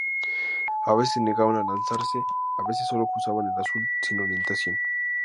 A veces se negaban a lanzarse; a veces sólo cruzaban el azul sin orientación.